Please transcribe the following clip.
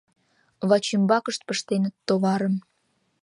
Вачӱмбакышт пыштеныт товарым.